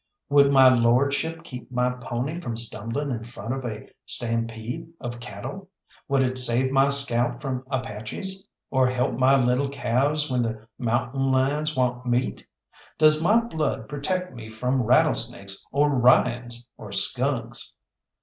"Would my lordship keep my pony from stumbling in front of a stampede of cattle? Would it save my scalp from Apaches, or help my little calves when the mountain lions want meat? Does my blood protect me from rattlesnakes, or Ryans, or skunks?"